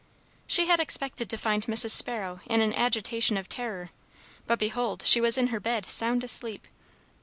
She had expected to find Mrs. Sparrow in an agitation of terror; but, behold! she was in her bed, sound asleep.